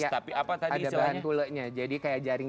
tapi apa tadi istilahnya ada bahan tuleknya jadi kayak jaring